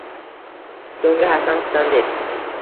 So‘ngra Hasan-Husan deb